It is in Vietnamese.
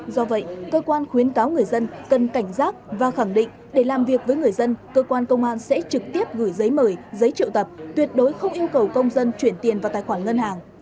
do vậy cơ quan khuyến cáo người dân cần cảnh giác và khẳng định để làm việc với người dân cơ quan công an sẽ trực tiếp gửi giấy mời giấy triệu tập tuyệt đối không yêu cầu công dân chuyển tiền vào tài khoản ngân hàng